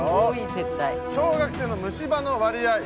「小学生の虫歯の割合」